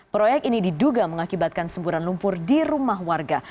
proyek ini diduga mengakibatkan semburan lumpur di rumah warga